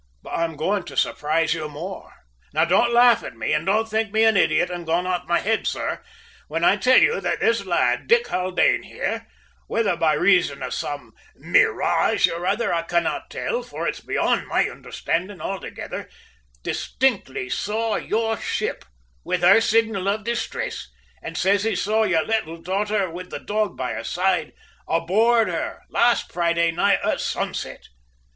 "But I am going to surprise you more. Now don't laugh at me, and don't think me an idiot and gone off my head, sir, when I tell you that this lad, Dick Haldane, here, whether by reason of some mirage or other I cannot tell, for it's beyond my understanding altogether, distinctly saw your ship with her signal of distress, and says he saw your little daughter with the dog by her side, aboard her, last Friday night at sunset.